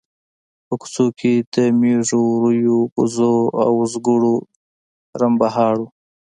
په کوڅو کې د مېږو، وريو، وزو او وزګړو رمبهار و.